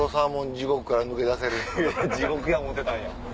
地獄や思てたんや。